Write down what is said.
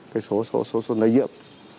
cái số số số lây nhiễm